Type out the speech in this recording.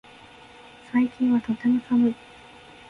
最近はとても寒い